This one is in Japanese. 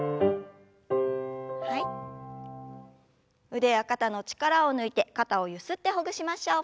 腕や肩の力を抜いて肩をゆすってほぐしましょう。